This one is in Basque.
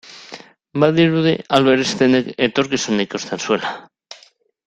Badirudi Albert Einsteinek etorkizuna ikusten zuela.